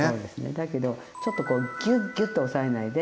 だけどちょっとこうギュッギュッと押さえないで。